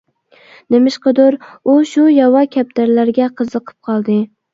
نېمىشقىدۇر ئۇ شۇ ياۋا كەپتەرلەرگە قىزىقىپ قالدى.